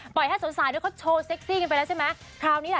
ให้สาวสายด้วยเขาโชว์เซ็กซี่กันไปแล้วใช่ไหมคราวนี้ล่ะ